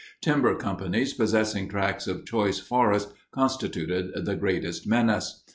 Timber companies possessing tracts of choice forest constituted the greatest menace.